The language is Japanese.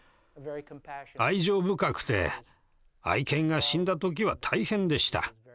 愛情深くて愛犬が死んだ時は大変でした。